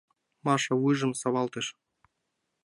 — Маша вуйжым савалтыш.